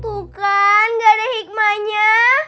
tuh kan gak ada hikmahnya